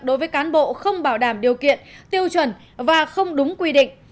đối với cán bộ không bảo đảm điều kiện tiêu chuẩn và không đúng quy định